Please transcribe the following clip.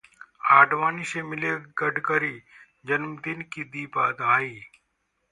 आडवाणी से मिले गडकरी, जन्मदिन की दी बधाई